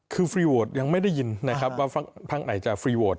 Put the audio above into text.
คือฟรีโวทยังไม่ได้ยินนะครับว่าพักไหนจะฟรีโวท